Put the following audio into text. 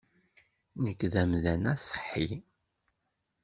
Nekk d amdan aṣeḥḥi.